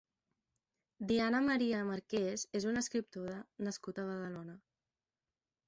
Dianna Maria Marquès és una escriptora nascuda a Badalona.